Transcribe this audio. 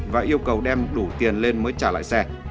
và yêu cầu đem đủ tiền lên mới trả lại xe